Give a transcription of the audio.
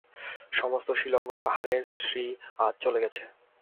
সমস্ত শিলঙ পাহাড়ের শ্রী আজ চলে গেছে।